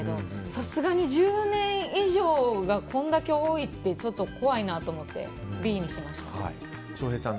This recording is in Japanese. さすがに１０年以上がこれだけ多いってちょっと怖いなと思ってＢにしました。